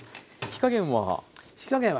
火加減は？